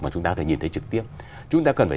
mà chúng ta có thể nhìn thấy trực tiếp chúng ta cần phải